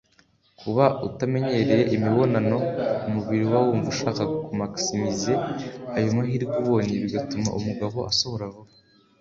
Kuba utamenyereye imibonano (umubiri uba wumva ushaka ku maximize ayo mahirwe ubonye bigatuma umugabo asohora vuba )